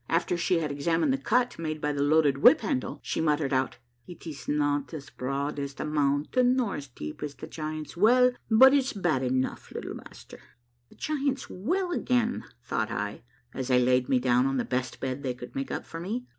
After she had examined the cut made by the loaded whip handle, she mut tered out, —" It is not as broad as the mountain, nor as deep as the Giants' Well, but it's bad enough, little master." "The Giants' Well again," thought I, as I laid me down on the best bed they could make up for me.